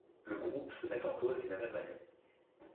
Le groupe se met en pause la même année.